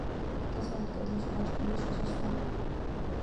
დასავლეთ კედელში გაჭრილია შესასვლელი.